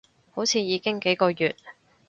好似已經幾個月